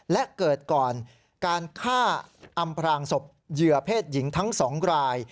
และเกิดก่อนการฆ่าอำพลางศพเหยื่อเพศหญิงทั้ง๒ราย